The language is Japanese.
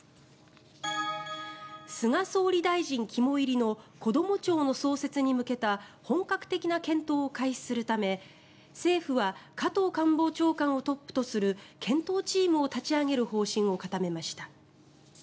菅総理大臣肝煎りのこども庁の創設に向けた本格的な検討を開始するため政府は加藤官房長官をトップとする検討チームを立ち上げる方針を固めました。